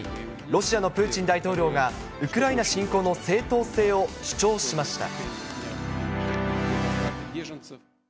ロシアのプーチン大統領が、ウクライナ侵攻の正当性を主張しました。